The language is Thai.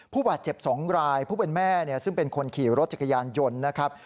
ผู้บาดเจ็บ๒รายผู้เป็นแม่ซึ่งเป็นคนขี่รถจักรยานยนต์นะครับ